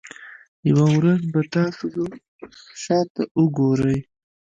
یوه ورځ به تاسو شاته وګورئ.